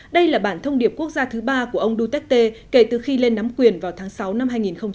đây là bản thông điệp quốc gia thứ ba của ông duterte kể từ khi lên nắm quyền vào tháng sáu năm hai nghìn một mươi chín